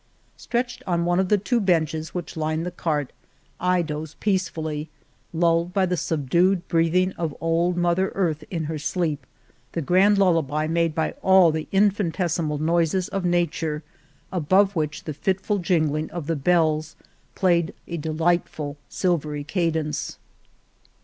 Stretched on one of the two benches which 64 The Cave of Montesinos line the cart, I doze peacefully, lulled by the subdued breathing of old mother earth in her sleep — the grand lullaby made by all the infinitesimal noises of nature, above which the fitful jingling of the bells played a delightful silvery cadence.